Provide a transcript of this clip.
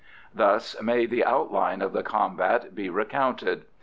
Thus may the outline of the combat be recounted.